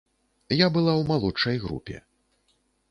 Я была ў малодшай групе.